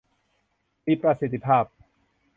มีประสิทธิภาพ